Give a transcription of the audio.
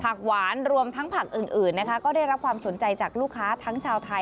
หวานรวมทั้งผักอื่นนะคะก็ได้รับความสนใจจากลูกค้าทั้งชาวไทย